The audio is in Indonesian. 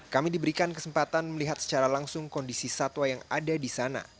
kami diberikan kesempatan melihat secara langsung kondisi satwa yang ada di sana